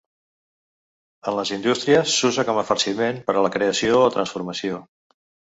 En les indústries s'usa com a farciment per a la creació o transformació.